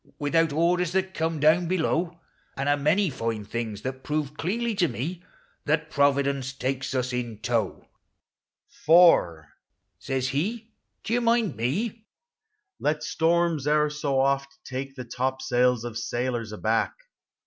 Without orders that come down below; And a many line things that proved deafly to mo That Providence takes us in tow: u For," says he. do you mind me, " let storms e'er so oft Take the topsails of sailors aback.